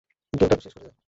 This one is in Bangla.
গেমটা তো শেষ করে যা।